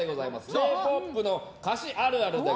Ｊ‐ＰＯＰの歌詞あるある。